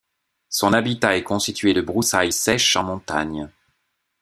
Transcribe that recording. Son habitat est constitué de broussailles sèches en montagne.